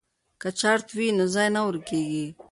که چارت وي نو ځای نه ورکیږي.